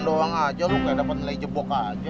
lo doang aja lo kayak dapet nilai jebok aja